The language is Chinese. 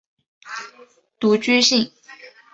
独居性。